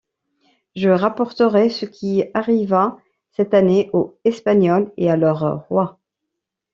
Je rapporterai ce qui arriva cette année aux Espagnols et à leurs rois.